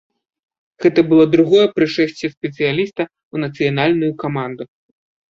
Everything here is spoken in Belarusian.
Гэта было другое прышэсце спецыяліста ў нацыянальную каманду.